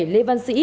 lê văn sĩ